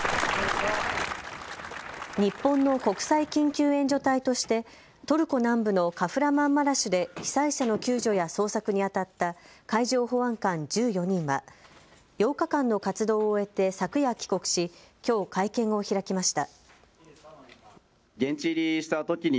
日本の国際緊急援助隊としてトルコ南部のカフラマンマラシュで被災者の救助や捜索にあたった海上保安官１４人は８日間の活動を終えて昨夜帰国しきょう会見を開きました。